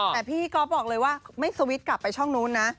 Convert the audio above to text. แต่พี่ก๊อฟบอกเลยว่าไม่สวิตช์กลับไปช่องนู้นนะ